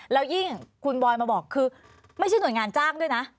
แล้วยิ่งคุณบอยมาบอกคือไม่ใช่หน่วยงานจ้างด้วยนะ